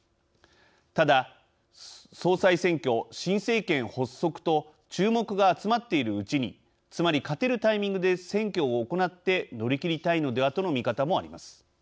ただ、総裁選挙・新政権発足と注目が集まっているうちにつまり、勝てるタイミングで選挙を行って乗り切りたいのではとの見方もあります。